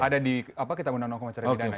ada di apa kita undang undang kemahacara pidana